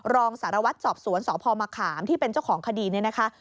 รองสารวัตรสอบสวนสพมะขามที่เป็นเจ้าของคดีนี้นะคะ